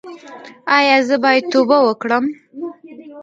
ایا زه باید توبه وکړم؟